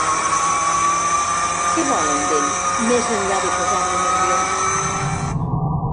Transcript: Què volen d'ell, més enllà de posar-lo nerviós?